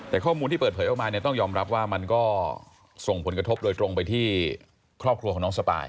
แต่ข้อมูลที่เปิดเผยออกมาเนี่ยต้องยอมรับว่ามันก็ส่งผลกระทบโดยตรงไปที่ครอบครัวของน้องสปาย